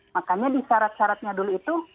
makanya di syarat syaratnya dulu itu